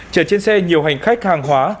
chở trên xe nhiều hành khách hàng hóa